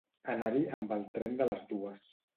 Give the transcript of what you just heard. Anar-hi amb el tren de les dues.